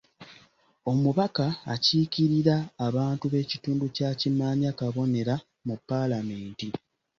Omubaka akiikirira abantu b’ekitundu kya Kimaanya Kabonera mu Paalamenti.